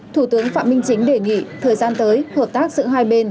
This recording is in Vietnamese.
thủ tướng phạm minh chính đề nghị thời gian tới hợp tác giữa hai bên